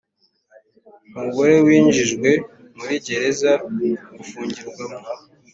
Umugore winjijwe muri gereza gufungirwamo